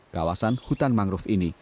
kawasan hutan mangrove ini